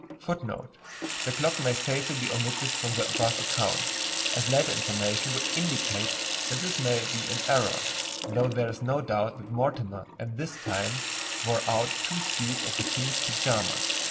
[A] This was in 1327. [Footnote A: The clock may safely be omitted from the above account, as later information would indicate that this may be an error, though there is no doubt that Mortimer at this time wore out two suits of the king's pajamas.